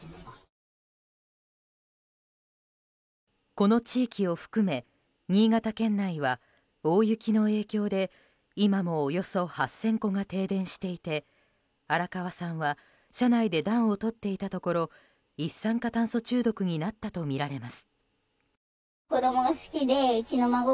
この地域を含め新潟県内は、大雪の影響で今もおよそ８０００戸が停電していて荒川さんは車内で暖をとっていたところ一酸化炭素中毒になったとみられます。